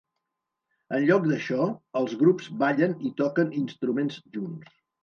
En lloc d'això, els grups ballen i toquen instruments junts.